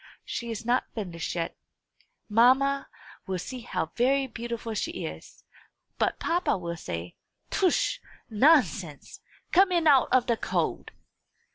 She is not finished yet. Mamma will see how very beautiful she is; but papa will say, 'Tush! nonsense! come in out of the cold!'"